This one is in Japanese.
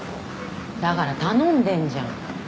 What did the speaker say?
だから頼んでんじゃん。